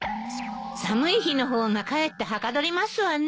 寒い日の方がかえってはかどりますわね。